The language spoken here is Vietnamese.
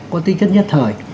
có tính chất nhất thời